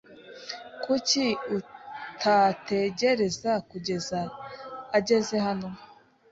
Kuki utategereza kugeza ageze hano?